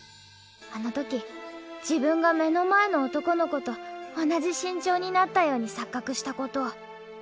あのとき自分が目の前の男の子と同じ身長になったように錯覚したことを。